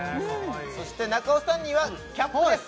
そして中尾さんにはキャップです